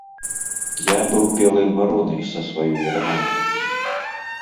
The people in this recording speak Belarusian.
Я быў белай варонай са сваёй рамантыкай.